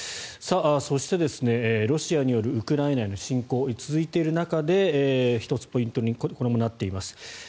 そして、ロシアによるウクライナへの侵攻が続いている中で１つ、ポイントにこれもなっています。